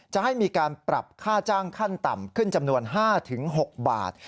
จะให้มีการปรับค่าจ้างขั้นต่ำขึ้นจำนวน๕๖บาท